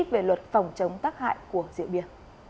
về luật phòng chống tác hại của rượu bia